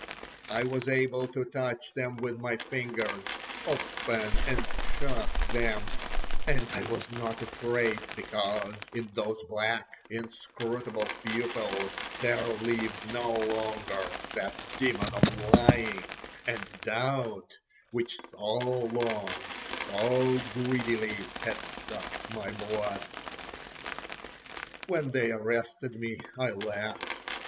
I was able to touch them with my fingers, open and shut them, and I was not afraid, because in those black, inscrutable pupils there lived no longer that demon of lying and doubt, which so long, so greedily, had sucked my blood. When they arrested me I laughed.